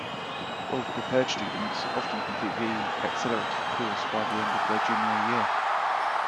Well-prepared students often complete the Accelerated course by the end of their junior year.